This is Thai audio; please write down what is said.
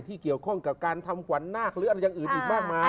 เกี่ยวข้องกับการทำขวัญนาคหรืออะไรอย่างอื่นอีกมากมาย